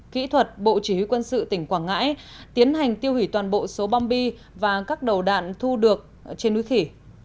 kỹ thuật bộ chỉ huy quân sự tỉnh quảng ngãi tiến hành tiêu hủy toàn bộ số bom bi và các đầu đạn thu được trên núi khỉ